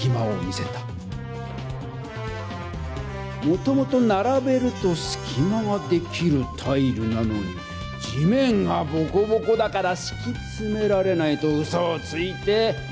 もともとならべるとすきまができるタイルなのに「地面がボコボコだからしきつめられない」とうそをついて。